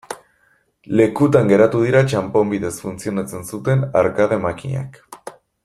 Lekutan geratu dira txanpon bidez funtzionatzen zuten arkade makinak.